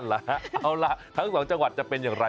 เอาล่ะเอาล่ะทั้งสองจังหวัดจะเป็นอย่างไร